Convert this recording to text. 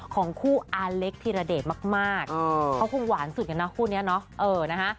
ของคู่อาเล็กทิรเดร์มากเขาคงหวานสุดอย่างน้อยคู่นี้นะ